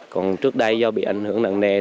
còn trước đây do bị ảnh hưởng nặng nề